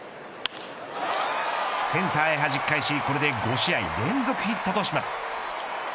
センターへはじき返しこれで５試合連続ヒットとします。